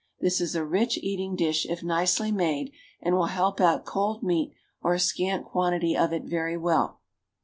This is a rich eating dish if nicely made, and will help out cold meat or a scant quantity of it very well.